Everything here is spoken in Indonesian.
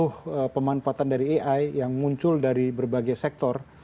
butuh pemanfaatan dari ai yang muncul dari berbagai sektor